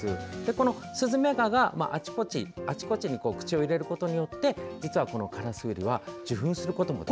このスズメガがあちこちに口を入れることによって実は、このカラスウリは受粉することもできる。